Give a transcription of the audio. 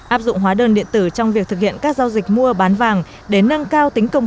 áp dụng hóa đơn điện tử trong việc thực hiện các giao dịch mua bán vàng để nâng cao tính công